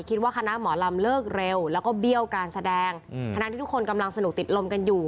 คณะหมอลำเลิกเร็วแล้วก็เบี้ยวการแสดงทั้งที่ทุกคนกำลังสนุกติดลมกันอยู่